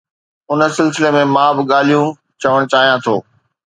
ان سلسلي ۾ مان ٻه ڳالهيون چوڻ چاهيان ٿو.